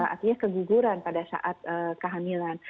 artinya keguguran pada saat kehamilan